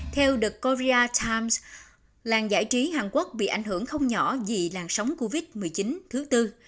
theo the korea times làng giải trí hàn quốc bị ảnh hưởng không nhỏ vì làng sống covid một mươi chín thứ tư